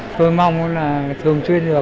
tôi mong là thường xuyên được